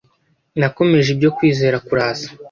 nakomeje ibyo kwizera kuraza